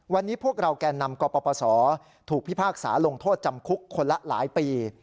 วันนี้พวกเราแก่นำกปศถูกพิพากษาลงโทษจำคุกคนละหลายปี